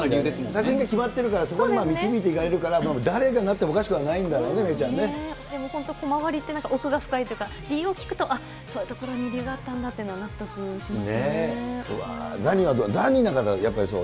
先が決まってるから、そこに導いていかれるから、誰がなってもおかしくはないんだろうね、本当、コマ割りって、奥が深いっていうか、理由を聞くと、そういうところに理由があったんだというのは納得しますね。